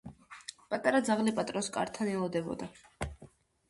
პატარა ძაღლი პატრონს კართან ელოდებოდა.